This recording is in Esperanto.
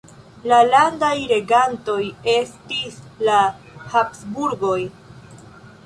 La landaj regantoj estis la Habsburgoj.